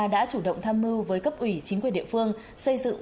đã chủ động tham mưu với cấp ủy chính quyền địa phương xây dựng